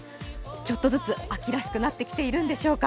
ちょっとずつ秋らしくなってきているんでしょうか。